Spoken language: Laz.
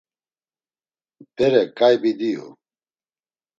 Bere ǩaybi diu.